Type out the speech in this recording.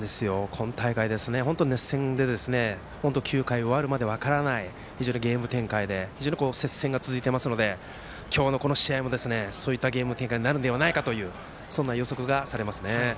今大会は本当に熱戦で９回が終わるまで分からないようなゲーム展開で非常に接戦が続いていますので今日の、この試合もそういったゲーム展開になるのではないかという予測がされますね。